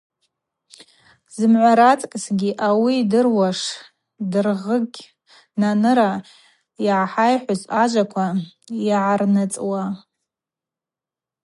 Зымгӏва рацкӏысгьи ауи йдыруаштӏ, Дыргъыгъ Наныра йгӏахӏайхӏвыз ажваква йгӏарныцӏуа.